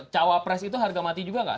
cawa pres itu harga mati juga enggak